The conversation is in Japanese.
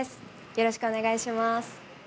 よろしくお願いします。